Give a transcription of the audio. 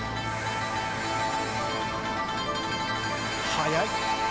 速い！